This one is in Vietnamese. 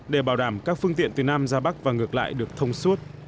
để bảo đảm các phương tiện từ nam ra bắc và ngược lại được thông suốt